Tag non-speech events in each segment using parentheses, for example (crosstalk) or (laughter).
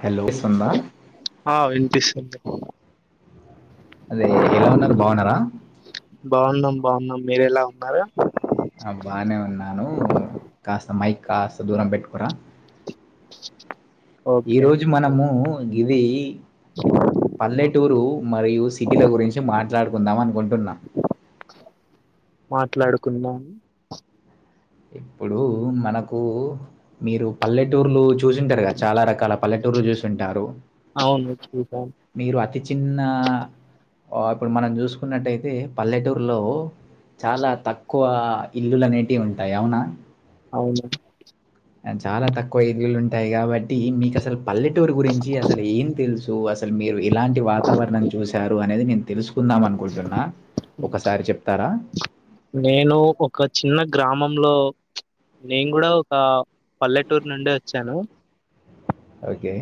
Hello వినిపిస్తుంద ఎందుకు అదే ఎలా ఉన్నారు బాగున్నారా బాగున్నం మీరే లా ఉన్నారు ఆ బానే ఉన్నాను కాస్త మైక్ కాస్త దూరం పెట్టుకురా ఈ ఓకే రోజు మనము గిది పల్లెటూరు మరియు సిటీల గురించి మాట్లాడుకుందాం అనుకుంటున్నా మాట్లాడుకున్నాం ఇప్పుడు మనకు మీరు పల్లెటూర్లు చూసింటారు. కదా చాలా రకాల పల్లెటూరు రు చేసింట్రు అవును చూద్దాం ప్రతి చిన్న ఇప్పుడు మనం చూసుకున్నట్టయితే పల్లెటూరులో చాలా తక్కువ ఇల్లుల అనేటివి ఉంటాయి. అవునా అవును చాలా తక్కువ ఇల్లులు ఉంటాయి కాబట్టి, మీకు అసలు పల్లెటూరు గురించి అసలు ఏం తెలుసు. అసలు మీరు ఎలాంటి వాతావరణం చూసారు. అనేది నేను తెలుసుకుందాం అనుకుంటున్నా. ఒకసారి చెప్తారా నేను ఒక చిన్న గ్ర గ్రామంలో నేను కూడా ఒక పల్లెటూరు నుండే వచ్చాను ఓకే.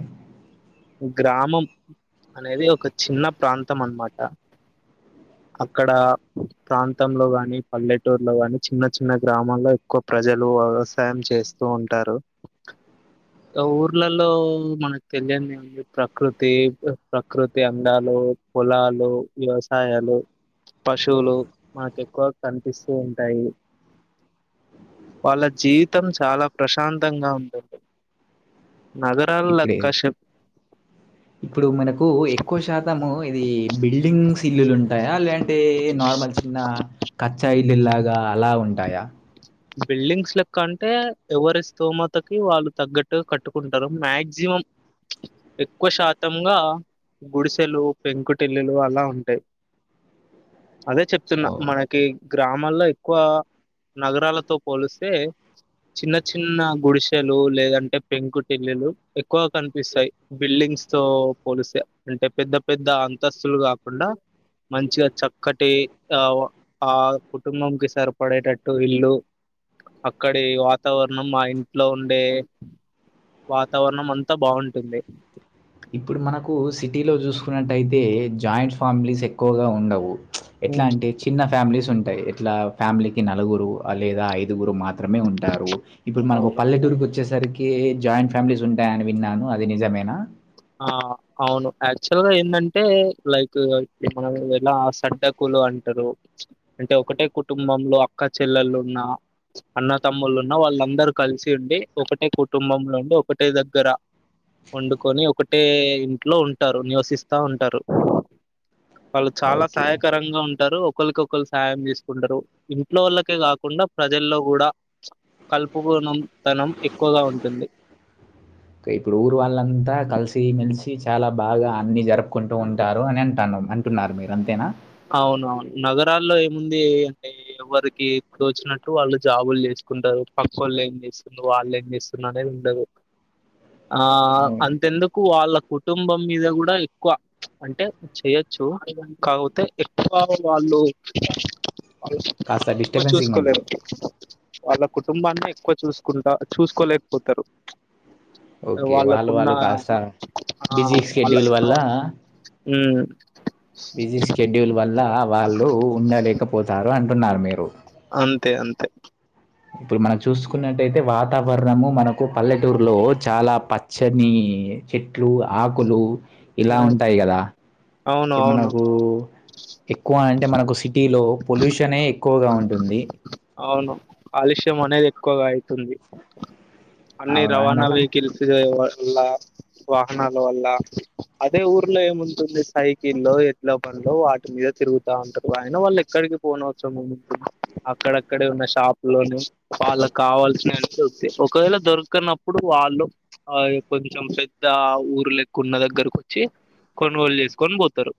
గ్రామం అనేది ఒక చిన్న ప్రాంతం అనమాట. అక్కడ ప్రాంతంలో కాన్ మీ పల్లెటూరులో కాని చిన్న చిన్న గ్రామాల్లో, ఎక్కువ ప్రజలు వ్యవసాయం చేస్తూ ఉంటారు. ఊర్లలో మనకు తెలియని ఏముంది ప్రకృతి ప్రకృతి అందాలు పొలాలు, వ్యవసాయాలు. పశువులు మాకు ఎక్కువ కనిపిస్తూ ఉంటాయి. వాళ్ళ జీవితం చాలా ప్రశాంతంగా ఉం నగరాల ఇప్పుడే క్కశ ఇప్పుడు మనకు ఎక్కువ శాతము ఇది బిల్డింగ్స్ ఇల్లులు ఉంటాయా లేంటి అయితే నార్మల్ చిన్న కచ్చాయిల్లులాగా అలా ఉంటాయా బిల్డింగ్స్ లా కంటే ఎవరి స్థోమతకి వాళ్ళు తగ్గట్టుగా కట్టుకుంటారు మ్యాగ్జిన్ ఎక్కువ శాతంగా గుడిసెలు, పెంకుటిల్లులు అలా ఉంటాయి. అదే చెప్తున్నా ఓహ్! మనకి గ్రామాల్లో ఎక్కువ నగరాలతో పోలిస్తే చిన్న చిన్న గుడిసెలు లేదంటే, పెంకు టిల్లులు ఎక్కువ కనిపిస్తాయి బిల్డింగ్ స్ తో పోలిసే అంటే పెద్ద పెద్ద అంతస్తులు కాకుం మంచిగా చక్కటి ఆ ఆ కుటుంబం కి సరిపడేటట్టు ఇల్లు అక్కడి వాతావరణం మా ఇంట్లో ఉండే వాతావరణం అంతా బాగుంటుంది. ఇప్పుడు మనకు సిటీలో చూసుకున్నట్టయితే, జాయింట్ ఫ్యామిలీస్ ఎక్కువగా ఉండవు. ఎట్లా ఉమ్ అంటే చిన్న ఫ్యామిలీస్ ఉంటాయి. ఎట్లా ఫ్యామిలీకి నలుగురు లేదా ఐదుగురు మాత్ మాత్రమే ఉంటారు. ఇప్పుడు మనకు అవును పల్లెటూరుకి వచ్చేసరికి జాయింట్ ఫ్యామిలీస్ ఉంటాయ అని విన్నాను. అది నిజమేనా. ఆ అవును యాక్చువల్ గా ఏంటంటే లైక్ మనం ఎలా సడ్డకులు అంటరు అంటే ఒకటే కుటుంబంలో అక్క చెల్లెలు ఉన్న అన్న తమ్ములు ఉన్న వాళ్ళందరు కలిసి ఉండి ఒకటే కుటుంబంలో ఉండి ఒకటే దగ్గర వండుకొని ఒకటే ఇంట్లో ఉంటారు. నివసిస్తా ఉంటారు. వాళ్ళు చాలా ఓకే. సహాయకరంగా ఉంటరు. ఒకలికికొకలు సాయం చేసుకుంటరు. ఇంట్లో వాళ్ళకే కాకుండా ప్రజల్లో కూడా కలుపుకొన్నాం ఇప్పుడు ఊర్ వాళ్ంతా కలిసి మెలిసి చాలా బాగా అన్ని జరుపుకుంటూ ఉంటారు. అని అంటాను అంటున్నారు. మీరు అంతేనా. అవునవును నగరాల్లో ఏముంది. అంటే ఎవరికి తోచినట్టు వాళ్ళు జాబులు చేసుకుంటారు. పక్కోళ్ళు ఏం చేస్తుంది వాళ్ళు ఏం చేస్తుంది అనేది ఉండదు. అ ఆ అంతెందుకు వాళ్ళక్ కుటుంబం మీద కూడా ఎక్కువ అంటే చెయొచ్చు కాకపో అయితె ఎక్కువ వాళ్ళు కాస్త వాళ్ళన్ని ఎక్కువ డిస్టర్బెన్సింగుంది. చూసుకోలేరు వాళ్ళ కుటుంబాన్ని ఎక్కువ చూసుకుంటా చూసుకోలేకపోతారు ఓకే. వాళ్ళు వాళ్ళకున్న వాళ్ళు కాస్త ఆ బిజీ షెడ్యూల్ వాళ్ళకున్న వల్ల హ్మ్మ్ బిజీ షెడ్యూల్ వల్ల వాళ్ళు ఉండలేకపోతారు అంటున్నారు మీరు అంతే అంతే ఇప్పుడు మనం చూసుకున్నట్టయితే వాతావరణము మనకు పల్లెటూరులో చాలా పచ్చని చెట్లు ఆకులు ఇలా ఉమ్ ఉంటాయి కదా అవును ఇప్పుడు అవును మనకు ఎక్కువ అంటే మనకు సిటీలో పొల్యూషన్ ఏ అవును అలిష్ మనేది ఎక్కువగా అయితుంది అన్ని అవునా అండి రవాణా అలా వెహికల్స్ వల్ల వాహనాల వల్ల అదే ఊర్లో ఏముంటుంది సైకిల్ల్లో ఎడ్లబండ్లో వాటి మీద తిరుగుతా ఉంటారు ఆయన వాళ్ళు ఎక్కడ పోనో అక్కడక్కడే ఉన్న షాపు లోనే వాళ్ళకి కావాల్సిన దొరుకుతాయి ఒకవేళ దొరుకనప్పుడు వాళ్ళు ఆ కొంచెం పెద్ద ఊరు లెక్క ఉన్న దగ్గరకు వచ్చి కొనుగోలు చేసుకొని పోతారు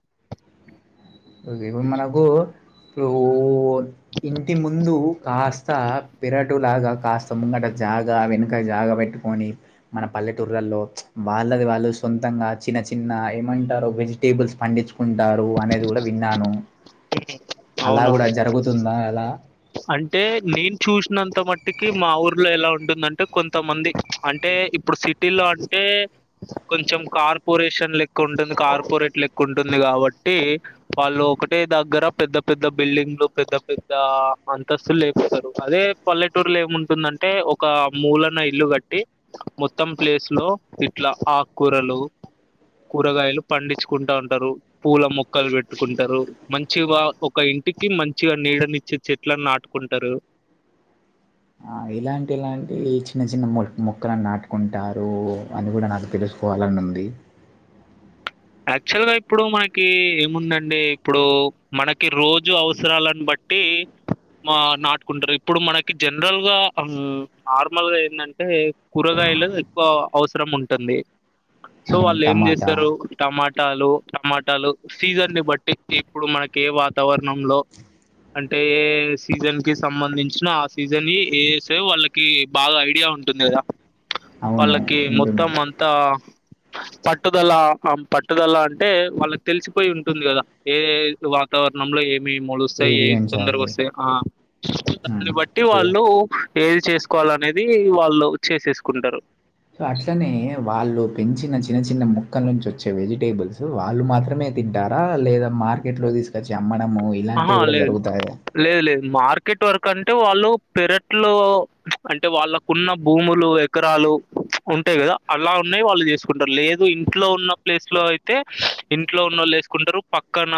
ఓకే ఇప్పుడు మనకు ఇప్పుడు ఇంటి ముందు కాస్త పెిరటు లాగా కాస్త ముంగట జాగా వెనుక జాగ పెట్టుకొని మన పల్లెటూర్లలో వాళ్ళది వాళ్ళు సొంతంగా చిన్న చిన్న ఏమంటారు వెజిటేబుల్స్ పండించుకుంట ఉంటారు అనేది కూడా విన్నాను అలా అవునా కూడా జరుగుతుందా అలా అంటే నేను చూసినంత మట్టుకి మా ఊర్లో ఎలా ఉంటుందంటే కొంతమంది అంటే ఇప్పుడు సిటీ లో అంటే కొంచెం కార్పొరేషన్ లెక్క ఉంటుంది కార్పొరేట్ లెక్క ఉంటుంది కాబట్టి వాళ్ళు ఒకటే దగ్గర పెద్ద పెద్ద బిల్డింగ్లు పెద్ద పెద్ద అంతస్తులు లేపోతారు అదే పల్లెటూరులో ఏముంటుందంటే ఒక మూలన ఇల్లు కట్టి మొత్తం ప్లేస్ లో ఇట్లా ఆకుకూరలు కూరగాయలు పండించుకుంటా ఉంటారు పూల మొక్కలు పెట్టుకుంటారు మంచిగా ఒక ఇంటికి మంచిగా నీడనిచ్చే చెట్లను నాటుకుంటారు ఆ ఇలాంటిలాంటి చిన్న చిన్న మొక్కలను నాటుకుంటారు అని కూడా నాకు తెలుసు పోవాలని ఉంది యాక్చువల్ గా ఇప్పుడు మనకి ఏముందండి ఇప్పుడు మనకి రోజు అవసరాలను బట్టి టీ మా నాటుకుంటారు ఇప్పుడు మనకి జనరల్ గా నార్మల్ గా ఎందంటే కూరగాయలు ఎక్కువ అవసరం ఉంటుంది సో అవును, వాళ్ళు ఏం టమాటా చేస్తారు టమాటాలు టమాటాలు సీజన్ ని బట్టి ఇప్పుడు మనకి ఏ వాతావరణంలో అంటే సీజన్ కి సంబంధించిన ఆ సీజన్ ఏ చేసే వాళ్ళకి బాగా ఐడియా ఉంటుంది కదా అవును వాళ్ళకి ఉంటుంది మొత్తం అంతా పట్టుదల ఆ పట్టుదల అంటే వాళ్ళకి తెలిసిపోయి ఉంటుంది కదా ఏ వాతావరణంలో ఏ మీ మొలుస్తాయి ఏ ఏది తొందరగా పెంచాలి వస్తాయి ఆ దాన్ని బట్టి చూడ వాళ్ళు ఏది చేసుకోవాల అనేది వాళ్ళు చేసేసుకుంటారు సో అట్లనే వాళ్ళు పెంచిన చిన్న చిన్న ముక్కల నుంచి వచ్చే వెజిటేబుల్స్ వాళ్ళు మాత్రమే తింటారా లేదా మార్కెట్ లో తీసుకొచ్చి అమ్మడము ఇలాంటివి ఆహా కూడా లేదు జరుగుతాయా లేదు లేదు మార్కెట్ వర్క్ అంటే వాళ్ళు పెరట్లు అంటే వాళ్ళకున్న భూములు ఎకరాలు ఉంటాయి గదా అలా ఉన్నాయి వాళ్ళు చేసుకుంటారు లేదు ఇంట్లో ఉన్న ప్లేస్ లో అయితే ఇంట్లో ఉన్నళ్ళుేసుకుంటారు పక్కన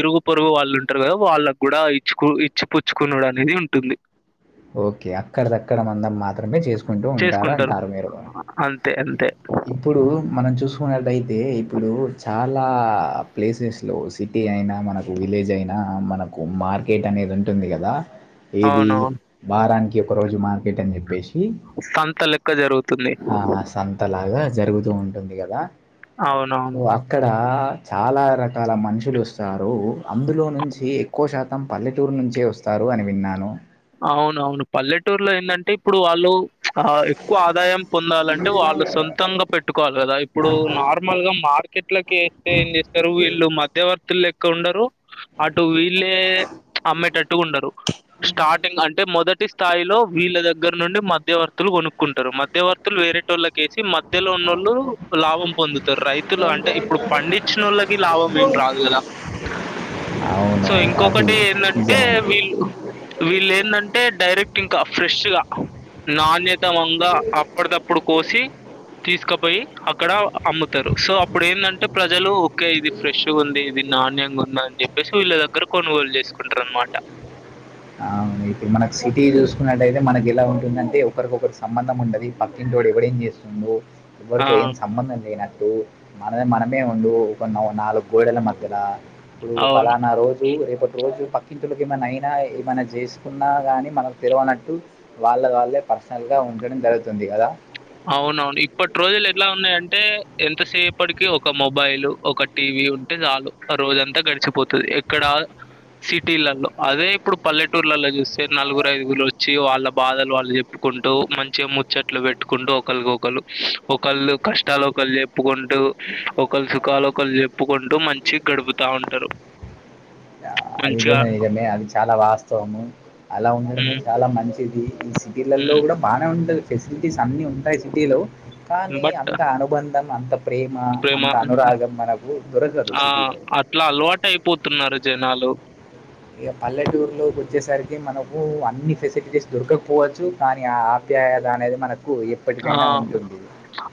ఇరుగు పొరుగు వాళ్ళుంటారు వాళ్ళకు కూడా ఇచ్చుకు ఇచ్చి పుచ్చుకునుడు అనేది ఉంటుంది ఓకే అక్కడ దక్కడ మంధం మాత్రమే చేసుకుంటూ ఉంటారు చేసుకుంటారు అంటారు మీరు అంతే అంతే ఇప్పుడు మనం చూసుకున్నట్టయితే ఇప్పుడు చాలా చాలా ప్లేసెస్ లో సిటీ అయినా మనకు విలేజ్ అయినా మనకు మార్కెట్ అనేది ఉంటే ఉంటుంది కదా ఏది అవునవును వారానికి ఒక రోజు మార్కెట్ అని చెప్పేశి సంత లెక్క జరుగుతుంది హ సంత లాగా జరుగుతూ ఉంటుంది గదా అవునవును హు అక్కడా చాలా రకాల మనుషులు వస్తారు. అందులో నుంచి ఎక్కువ శాతం పల్లెటూరు నుంచే వస్తా రు అని విన్నాను. అవునవును పల్లెటూరులో ఏందంటే ఇప్పుడు వాళ్ళు ఆ ఎక్కువ ఆదాయం పొందాలంటే వాళ్ళు సొంతంగా పెట్టుకోవాలి కదా ఇప్పుడు నార్మల్ గా మా మార్కెట్లకి ఎత్తే ఏం చేత్తరు వీళ్ళు మధ్యవర్తులు లె క్క ఉండరు అటు వీళ్ళే అమ్మేటట్టుగా ఉండరు. స్టార్టింగ్ అంటే మొదటి స్థాయిలో వీళ్ళ దగ్గర నుండి మధ్యవర్తులు కొనుక్కుంటారు మధ్యవర్తులు వేరేటోళ్లకీ కేసి మధ్యలో ఉన్నోళ్ళు లాభం పొందుతారు రైతులు అంటే ఇప్పుడు పండించిన వాళ్ళకి లాభం ఏం రాదు గదా. (inaudible) సో అది ఇంకొకటి ఏందంటే నిజమే. వీళ్ళు వీళ్ళు ఏందంటే డైరెక్ట్ ఇంకా ఫ్రెష్ గా నాణ్య ఉత్తమంగా అప్పటిదప్పుడు కోసి తీసుక ర్కెట్ పోయి అక్కడ అమ్ముతరు. సో అప్పుడు ఏందంటే ప్రజలు ఓకే ఇది ఫ్రెష్‌గుంది, ఇది నాణ్యంగా ఉం దని చెప్పేసి వీళ్ళ దగ్గర కొనుగోలు చేసుకుంటరు అనమాట. అవును ఇప్పుడు మనకి సిటీ చూసుకున్నటయితే మనకి ఎలా ఉంటుందంటే ఒకరికొకరు సంబంధం ఉండది. పక్కింటోడు ఎవడు ఏం చేస్తుండు ఆ! ఎవరితో ఏం సంబంధం లేన ట్టు మనది మనమే ఉండూ ఒక నా నాలుగు గోడల మధ్యల ఇప్పుడు అవును. ఫలానా రోజు రేపటి రోజు పక్కింటోళ్ళకి ఏమైన్నా అయినా ఏమన్నా చేసుకున్నా కానీ మనకు తెలువనట్టు వాళ్ళ వాళ్ళే పర్సనల్‌గా ఉండడం జరుగుతుంది కదా. అవునవును ఇప్పటి రోజులు ఎట్లా ఉన్నాయంటే ఎంతసేపటికి ఒక మొబైల్ ఒక టి వి ఉంటే చాలు ఆ రోజంతా గడిచిపోతది ఎక్కడా సిటీలల్లో అదే ఇప్పుడు పల్లెటూర్లలో చూస్తే నలుగురు ఐదుగురు వచ్చి వాళ్ళ బాధలు వాళ్ళు చెప్పు కుంటూ మంచిగా ముచ్చట్లు పె ట్టుకుంటూ ఒకళ్ళకి ఒకళ్ళు ఒకళ్ళు కష్టాలు ఒకళ్ళు చెప్పుకుంటూ ఒకళ్ళు సుఖాలు ఒకళ్ళు చెప్పుకుంటూ మంచిగా గడుపుతా ఉంటరు. అది కూడా నిజమే. అది చాలా వాస్తవము. అలా ఉండడమే హ్మ్. చాలా మంచిది. ఈ సిటీలలో హ్మ్. కూడా బానే ఉంటంది ఫెసిలిటీస్ అన్ని ఉంటయి సిటీలో కానీ బట్ అంత అనుబంధం ప్రేమ ప్రేమ అంత అనురాగం మనకు దొరకదు ఆ సిటీలో అట్లా అలవాటు అయిపోతున్నారు జనాలు. ఇగా పల్లెటూరులోకి వచ్చేసరికి మనకు అన్ని ఫెసిలిటీస్ దొరకకపోవచ్చు కానీ ఆ ప్యాయత అనేది మన ఆ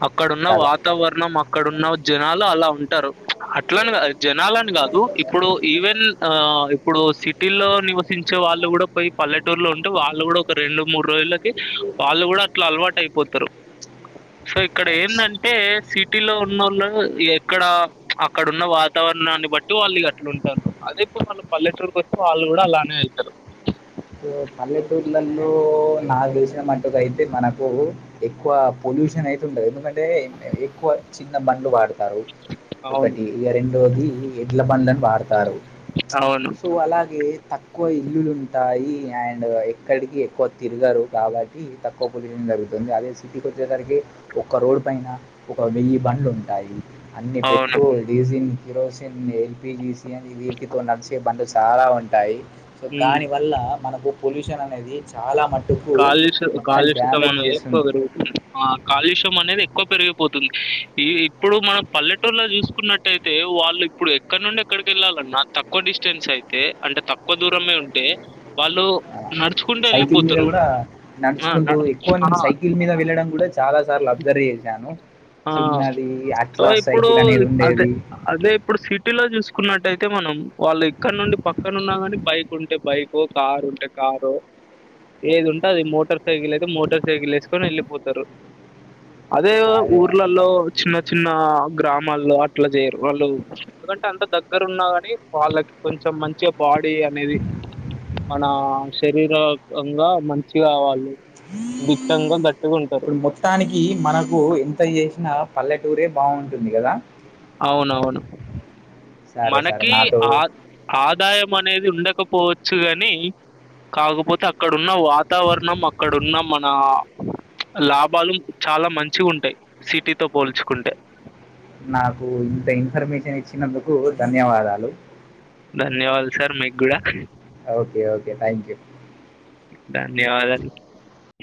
అక్కడున్న కదా వాతావరణం అక్కడున్న జనాలు అలా ఉంటరు. అట్లాని కా జనాలని కాదు ఇప్పుడు ఈవెన్ ఆ ఇప్పుడు సిటీలో నివసించే వాళ్ళు కూడా పోయి పల్లెటూరులో ఉంటే వాళ్ళు కూడా ఒక రెండు మూడు రోజులకి వాళ్ళు కూడా అట్లా అలవాటు అయిపో సో ఇక్కడ ఏందంటే సిటీలో ఉన్నోళ్లు ఎక్కడ అక్కడ ఉన్న వాతావరణాన్ని బట్టి వాళ్ళు ఇగ అట్లుంటరు. అదే ఇప్పుడు వాళ్ళు పల్లెటూరుకి వచ్చి వాళ్ళుకూడా అలానే అయితరు. సో పల్లెటూర్లలో నాకు తెలిసిన మటుకు అయితే మనకు ఎక్కువ పొ పొల్యూషన్ అయితుండదు. ఎందుకంటే ఎక్కువ చిన్న బండ్లు వాడ తారు అవును. ఒకటి ఇగ రెండోది ఎడ్లబండ్లని వాడతారు. అవును. సో అలాగే తక్కువ ఇల్లులుం టాయి అండ్ ఎక్కడికి ఎక్కువ తిరుగరు కాబట్టి తక్కువ పొల్యూషన్ జరుగుతుంది. అదే సిటీకొ చ్చేసరికి ఒక్క రోడ్ పైన ఒక వెయ్యి బండ్లు ఉంటాయి. అన్ని అవును. పెట్రోల్, డీజిల్ కిరోసిన్, ఎల్పిజీసి అని వీటితోని నడిచే బండ్లు చాలా ఉంటాయి సో హ్మ్. దాని వల్ల మనకు పొల్యూషన్ అనేది చాలా మ కాలుష్య కాలుష్యతం అనేది ఎక్కువ చేస్తుంది పెరుగుతుంది ఆ కాలుష్యం అనేది ఎ క్కువ పెరిగిపోతుంది ఈ ఇప్పుడు మనం పల్లెటూర్లో చూసుకున్నట్టయితే వాళ్ళు ఇప్పుడు ఎక్కడ నుండి ఎక్కడికి ఎళ్ళాలన్నా తక్కువ డిస్టెన్స్ అయితే అంటే తక్కువ దూరమే ఉంటే వాళ్ళు నడుచుకుంట ఎళ్ళిపోతారు ఆ నడుచుకుంటూ ఎక్కువ నేను సైకిల్ మీద వెళ్ళడం కూడా చాలా సార్లు అబ్జర్వ్ చేశాను ఆ చిన్నది సో అట్లా ఇప్పుడు సైకిల్ అనేది అదే ఉండేది అదే ఇప్పుడు సిటీలో చూసుకు న్నట్టయితే మనం వాళ్ళు ఇక్కడ నుండి పక్కన ఉన్నా కానీ బైక్ ఉంటే బైకొ కార్ ఉంటే కారొ ఏది ఉంటే అది మోటార్ సైకిల్ అయితే మోటార్ సైకిల్ ఎసుకొని వెళ్ళిపోతారు అదే ఊర్లల్లో చిన్న చిన్ న్న గ్రామాల్లో అట్లా చేయరు వాళ్ళు ఎందుకంటే అంత దగ్గర ఉన్నా కాని వాళ్ళకి కొంచెం మంచిగ బాడీ అనేది మన శరీరకంగా మంచిగా వాళ్ళు దిట్టంగా గట్టిగా ఉంటారు ఇప్పుడు మొత్తానికి మనకు ఎంత చే నా పల్లెటూరే బాగుంటుంది గదా అవునవును సరే సరే మనకి నాతో ఆ ఆదాయం అనేది ఉండకపోవచ్చు గని కాకపోతే అక్కడు ఉన్న వాతావరణం అక్కడున్న మ ఆ ప్చ్ లాభాలు చాలా మంచిగుంటాయి సిటీతో పోల్చుకుంటే నాకు ఇంత ఇన్ఫర్మేషన్ ఇచ్చినందుకు ధన్యవాదాలు ధన్యవాదాలు సార్ మీగూడా ఓకే ఓకే థ్యాంక్ యూ ధన్యవాదాలు